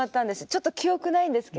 ちょっと記憶ないんですけど。